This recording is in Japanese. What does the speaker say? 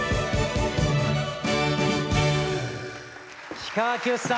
氷川きよしさん